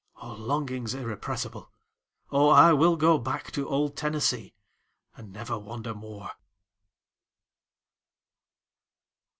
O longings irrepressible! O I will go back to old Tennessee, and never wander more!